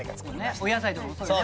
お野菜とかもそうだよね。